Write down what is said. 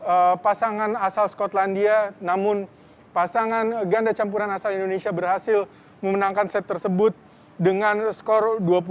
dan di set ketiga ada perlawanan asal skotlandia namun pasangan ganda campuran asal indonesia berhasil memenangkan set tersebut dengan skor dua puluh satu delapan belas